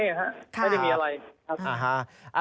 ไม่ได้มีอะไร